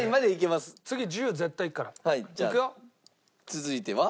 続いては。